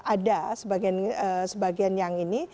ada sebagian yang ini